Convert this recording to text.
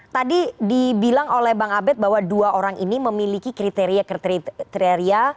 tadi dibilang oleh bang abed bahwa dua orang ini memiliki kriteria kriteria